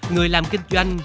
người làm kinh doanh